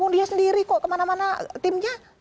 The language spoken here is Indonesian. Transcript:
dia sendiri kok kemana mana timnya